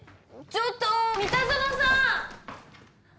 ちょっと三田園さん！